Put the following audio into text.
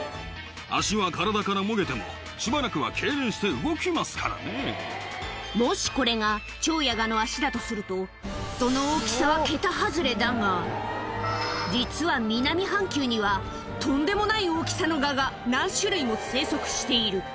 足は体からもげても、しばらくはもし、これがチョウやガの脚だとすると、その大きさは桁外れだが、実は南半球には、とんでもない大きさのガが何種類も生息している。